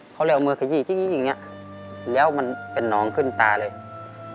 เขาเลยเอามือขยี้ทิ้งอย่างเงี้ยแล้วมันเป็นน้องขึ้นตาเลย